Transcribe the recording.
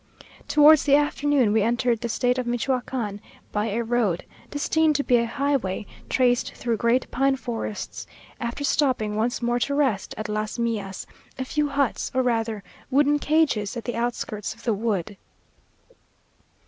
Towards the afternoon we entered the state of Michoacán, by a road (destined to be a highway) traced through great pine forests, after stopping once more to rest at Las Millas, a few huts, or rather wooden cages, at the outskirts of the wood.